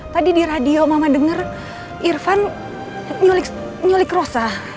tadi di radio mama dengar irfan nyulik rosa